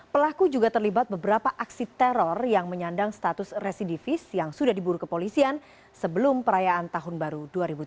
pelaku juga terlibat beberapa aksi teror yang menyandang status residivis yang sudah diburu kepolisian sebelum perayaan tahun baru dua ribu tujuh belas